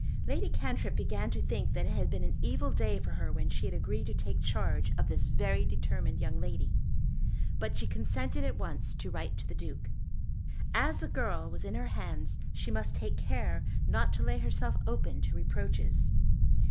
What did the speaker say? Lady Cantrip began to think that it had been an evil day for her when she had agreed to take charge of this very determined young lady; but she consented at once to write to the Duke. As the girl was in her hands she must take care not to lay herself open to reproaches.